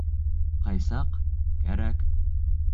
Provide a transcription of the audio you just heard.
— Ҡай саҡ кәрәк.